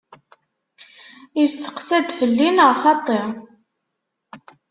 Isteqsa-d felli neɣ xaṭṭi?